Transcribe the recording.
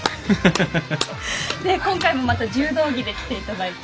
今回も、また柔道着で来ていただいて。